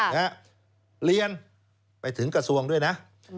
เรียนไปถึงกระทรวงด้วยนะ